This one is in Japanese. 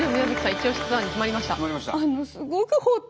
イチオシツアーに決まりました。